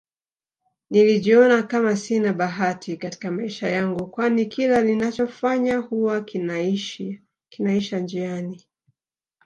Nilijiona Kama Sina bahati Katika maisha yangu kwani kila ninacho fanya huwa kinaisha njiani